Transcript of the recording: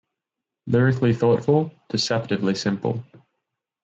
Lyrically thoughtful, deceptively simple.